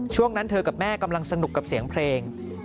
ช่วงนั้นเธอกับแม่กำลังสนุกกับเสียงเพลง